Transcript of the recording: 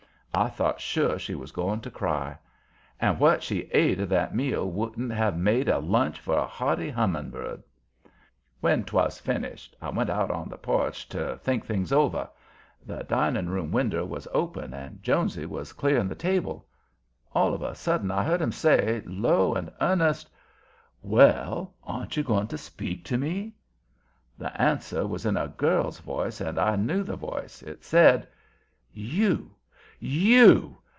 I thought sure she was going to cry. And what she ate of that meal wouldn't have made a lunch for a hearty humming bird. When 'twas finished I went out on the porch to think things over. The dining room winder was open and Jonesy was clearing the table. All of a sudden I heard him say, low and earnest: "Well, aren't you going to speak to me?" The answer was in a girl's voice, and I knew the voice. It said: "You! YOU!